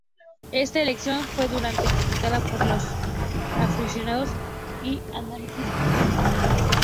Esta elección fue duramente criticada por los aficionados y analistas.